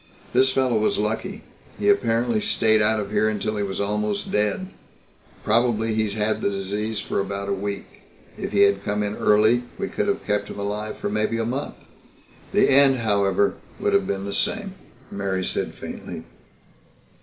This fellow was lucky. He apparently stayed out of here until he was almost dead. Probably he's had the disease for about a week. If he'd have come in early, we could have kept him alive for maybe a month. The end, however, would have been the same." "It's a terrible thing," Mary said faintly.